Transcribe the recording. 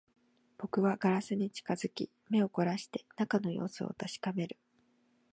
僕はガラスに近づき、目を凝らして中の様子を確かめる